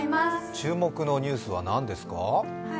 注目のニュースは何ですか？